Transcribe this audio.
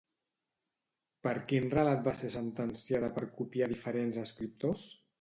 Per quin relat va ser sentenciada per copiar a diferents escriptors?